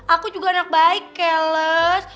aku juga anak baik ya les